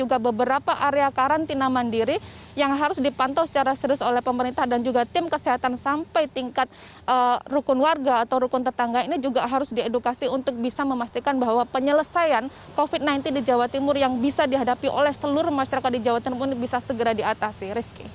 juga beberapa area karantina mandiri yang harus dipantau secara serius oleh pemerintah dan juga tim kesehatan sampai tingkat rukun warga atau rukun tetangga ini juga harus diedukasi untuk bisa memastikan bahwa penyelesaian covid sembilan belas di jawa timur yang bisa dihadapi oleh seluruh masyarakat di jawa timur ini bisa segera diatasi